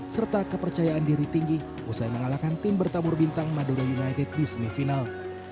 serta kepercayaan diri tinggi usai mengalahkan tim bertabur bintang madura united di semifinal